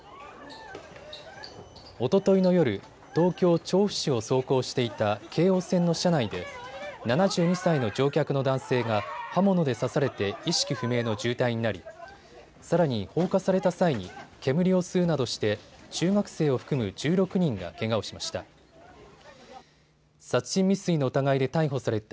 おとといの夜、東京調布市を走行していた京王線の車内で７２歳の乗客の男性が刃物で刺されて意識不明の重体になり、さらに放火された際に煙を吸うなどして中学生を含む１６人がけがをしました。